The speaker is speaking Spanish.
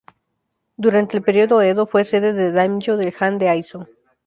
Durante el Periodo Edo, fue sede del "daimyō" del Han de Aizu.